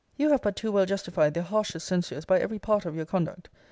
You have but too well justified their harshest censures by every part of your conduct.